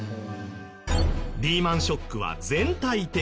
リーマンショックは全体的。